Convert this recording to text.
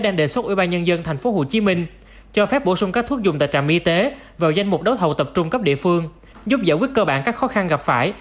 những mục đấu thầu tập trung cấp địa phương giúp giải quyết cơ bản các khó khăn gặp phải